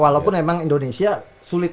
walaupun memang indonesia sulit